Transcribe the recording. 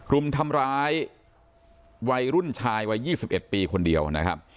ฮุมทำร้ายวัยรุ่นชายวัยยี่สิบเอ็ดปีคนเดียวนะครับ